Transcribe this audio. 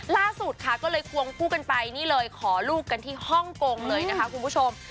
ล่าสุดค่ะก็เลยควงคู่กันไปนี่เลยขอลูกกันที่ฮ่องกงเลยนะคะคุณผู้ชม